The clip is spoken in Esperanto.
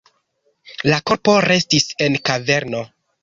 La korpo restis en kaverno.